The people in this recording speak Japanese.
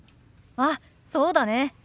あっそうだね。